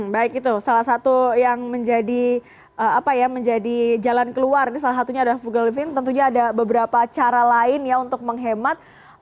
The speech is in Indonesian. baik itu salah satu yang menjadi jalan keluar salah satunya adalah fugal living tentunya ada beberapa cara lain ya untuk menghemat